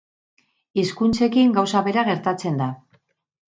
Hizkuntzekin gauza bera gertatzen da.